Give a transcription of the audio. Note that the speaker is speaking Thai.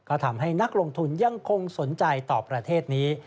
ก็ทำให้นักลงทุนยังคงสนใจต่อประเทศนี้